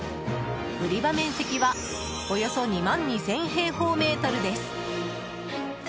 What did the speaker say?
売り場面積は、およそ２万２０００平方メートルです。